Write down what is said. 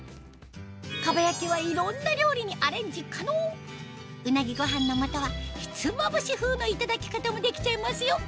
蒲焼はいろんな料理にアレンジ可能うなぎご飯の素はひつまぶし風のいただき方もできちゃいますよ